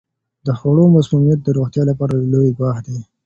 د خوړو مسمومیت د روغتیا لپاره لوی ګواښ دی.